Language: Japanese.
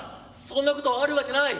そんなことあるわけない。